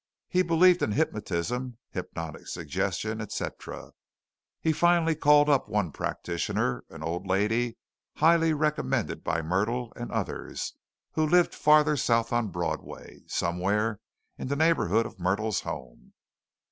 He believed in hypnotism, hypnotic suggestion, etc. He finally called up one practitioner, an old lady highly recommended by Myrtle and others, who lived farther south on Broadway, somewhere in the neighborhood of Myrtle's home.